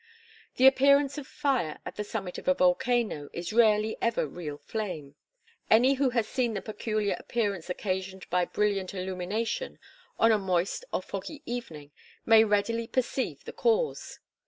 The appearance of fire at the summit of a volcano is rarely ever real flame. Any who has seen the peculiar appearance occasioned by brilliant illumination on a moist or foggy evening may readily perceive the cause.